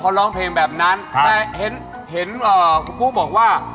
อ๋อเขาร้องเพลงแบบนั้นแต่เห็นกูบอกว่า